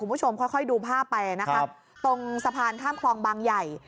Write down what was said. คุณผู้ชมค่อยดูภาพไปนะครับตรงสะพานข้ามคลองบางใหญ่